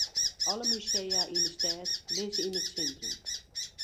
Alle musea yn 'e stêd lizze yn it sintrum.